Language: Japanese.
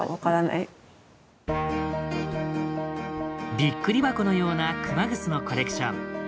びっくり箱のような熊楠のコレクション。